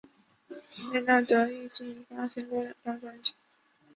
梅纳德迄今已发行过两张专辑。